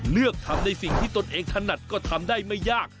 เลือกทำในสิ่งที่ตนเองถนัดก็ทำได้ไม่ยาก